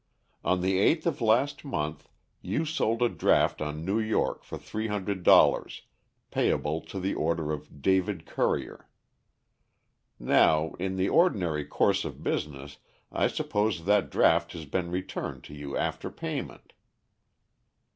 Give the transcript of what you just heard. On the eighth of last month you sold a draft on New York for three hundred dollars, payable to the order of David Currier. Now, in the ordinary course of business I suppose that draft has been returned to you after payment."